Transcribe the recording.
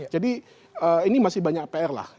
jadi ini masih banyak pr lah